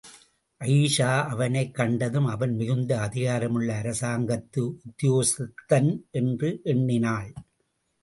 அயீஷா அவனைக் கண்டதும், அவன் மிகுந்த அதிகாரமுள்ள அரசாங்கத்து உத்தியோகஸ்தன் என்று எண்ணினாள்.